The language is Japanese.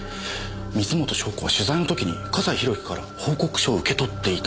水元湘子は取材の時に笠井宏樹から報告書を受け取っていた。